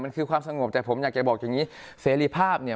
มันคือความสงบแต่ผมอยากจะบอกอย่างนี้